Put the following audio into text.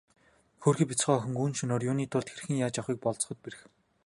Хөөрхий бяцхан охин гүн шөнөөр юуны тул хэрхэн яаж явахыг болзоход бэрх.